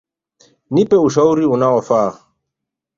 Nipe ushauri unaofa.